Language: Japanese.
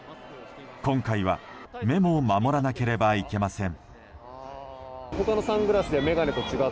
今回は目も守らなければいけません。